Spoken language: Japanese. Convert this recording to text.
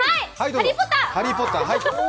「ハリー・ポッター」！